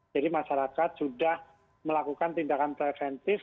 jadi masyarakat sudah melakukan tindakan preventif